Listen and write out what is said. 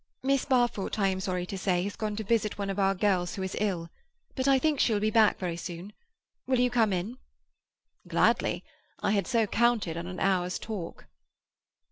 "Miss Barfoot, I am sorry to say, has gone to visit one of our girls who is ill. But I think she will very soon be back. Will you come in?" "Gladly. I had so counted on an hour's talk."